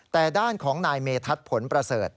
แต่ด้านของนายเมทัศน์ผลประเสริฐ